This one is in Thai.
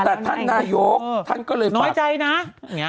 แต่ท่านนาโยกก็เลยฝาก